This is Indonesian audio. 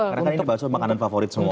karena ini bakso makanan favorit semua orang